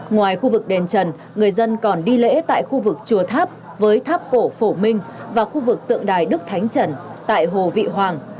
ngoài khu vực đền trần người dân còn đi lễ tại khu vực chùa tháp với tháp cổ phổ minh và khu vực tượng đài đức thánh trần tại hồ vị hoàng